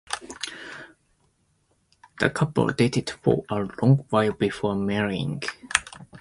The couple dated for a long while before marrying.